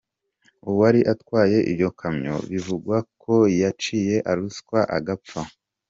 Uwari atwaye iyo kamyo bivugwa ko yaciye araswa agapfa.